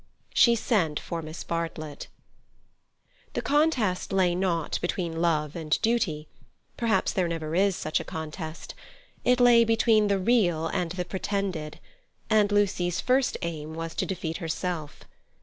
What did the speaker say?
She sent for Miss Bartlett. The contest lay not between love and duty. Perhaps there never is such a contest. It lay between the real and the pretended, and Lucy's first aim was to defeat herself.